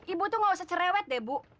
ibu tuh gak usah cerewet deh bu